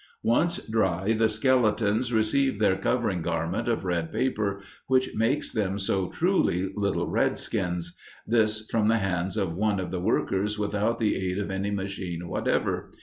Once dry, the skeletons receive their covering garment of red paper, which makes them so truly "little redskins" this from the hands of one of the workers without the aid of any machine whatever.